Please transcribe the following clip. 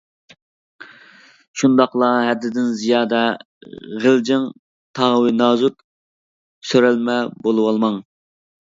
شۇنداقلا ھەددىدىن زىيادە غىلجىڭ، تاۋى نازۇك، سۆرەلمە بۇلىۋالماڭ.